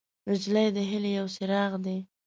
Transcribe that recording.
نجلۍ د هیلې یو څراغ دی.